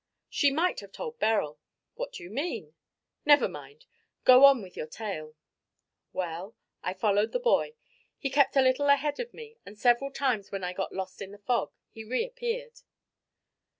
"She might have told Beryl." "What do you mean?" "Never mind. Go on with your tale." "Well, I followed the boy. He kept a little ahead of me, and several times when I got lost in the fog he reappeared."